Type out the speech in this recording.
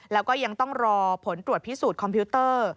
แล้วก็ยังต้องรอผลตรวจพิสูจน์คอมพิวเตอร์